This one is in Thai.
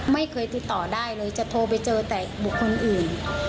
ไม่เคยติดต่อได้เลยจะโทรไปเจอแต่บุคคลอื่น